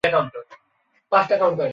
বাবা, প্লিজ না!